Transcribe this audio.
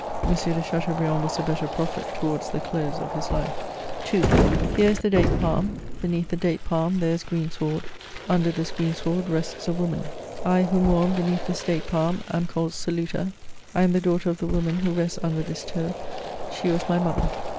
M. de Chateaubriand was a better prophet towards the close of his hfe. CHATEAUBKIAND. 1 1 II. *' Here is the date palm ; beneath the date palm there is green sward ; under this green sward rests a woman. I, who mourn beneath this date palm, am called Celuta ; I am the daughter of the woman who rests under this turf ; she was my mother.